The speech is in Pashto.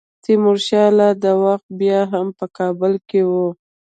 تیمورشاه لا دا وخت بیا هم په کابل کې وو.